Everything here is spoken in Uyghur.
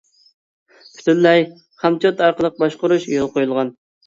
پۈتۈنلەي خام چوت ئارقىلىق باشقۇرۇش يولغا قويۇلغان.